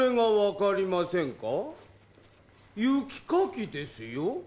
雪かきですよ。